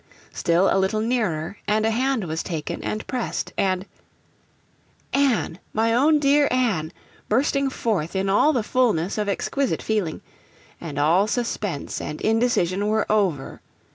Still a little nearer, and a hand taken and pressed; and 'Anne, my own dear Anne!' bursting forth in all the fulness of exquisite feeling, and all suspense and indecision were over.